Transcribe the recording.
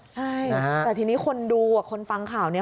ใช่แต่ทีนี้คนดูคนฟังข่าวนี้